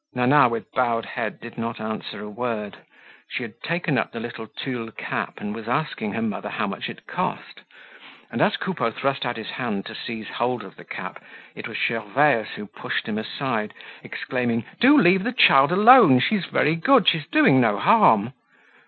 Nana, with bowed head, did not answer a word. She had taken up the little tulle cap and was asking her mother how much it cost. And as Coupeau thrust out his hand to seize hold of the cap, it was Gervaise who pushed him aside exclaiming: "Do leave the child alone! She's very good, she's doing no harm."